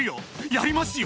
やりますよ！